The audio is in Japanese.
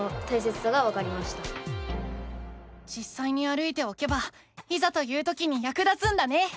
じっさいに歩いておけばいざという時にやく立つんだね。